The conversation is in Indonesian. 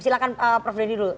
silahkan prof denny dulu